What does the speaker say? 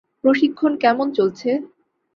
প্রশিক্ষণ কেমন চলছে?